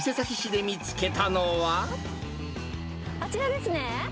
あちらですね。